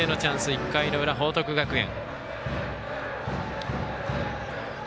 １回の裏、報徳学園。